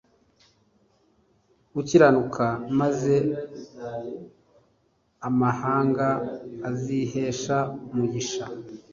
ukiranuka maze amahanga azihesha umugisha